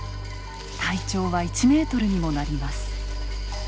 体長は１メートルにもなります。